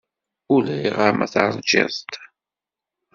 Ulayɣer ma teṛjiḍ-t.